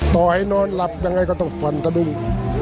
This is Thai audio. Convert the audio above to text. ต่อให้นอนหลับยังไงก็ต้องฝันตะดุง